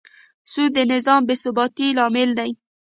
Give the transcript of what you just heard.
سود د نظام بېثباتي لامل دی.